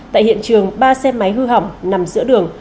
tại hiện trường ba xe máy hư hỏng nằm giữa đường